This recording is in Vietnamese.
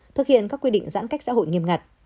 thực hiện các quy định giãn cách xã hội nghiêm ngặt